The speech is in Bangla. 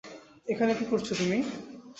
এখানে কী করছ তুমি?